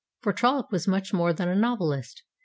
For Trollope was much more than a novelist.